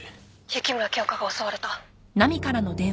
雪村京花が襲われた。